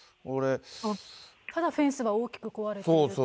ただフェンスが大きく壊れているという。